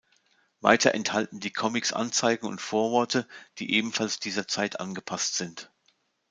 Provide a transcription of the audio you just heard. Weiter enthalten die Comics Anzeigen und Vorworte, die ebenfalls dieser Zeit angepasst sind.